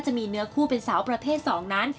จะมีเนื้อคู่เป็นสาวประเภท๒นั้น